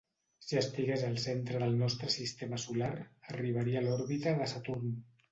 Si estigués al centre del nostre sistema solar, arribaria a l'òrbita de Saturn.